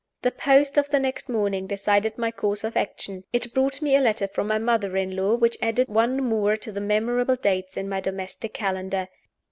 The post of the next morning decided my course of action. It brought me a letter from my mother in law, which added one more to the memorable dates in my domestic calendar.